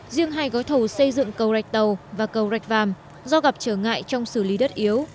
riêng hai gói thầu xây dựng cầu rạch tàu và cầu rạch vàm do gặp trở ngại trong xử lý đất yếu